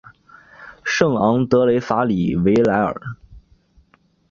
圣昂德雷法里维莱尔。